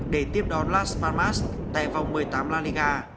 để tiếp đón la spalmast tại vòng một mươi tám la liga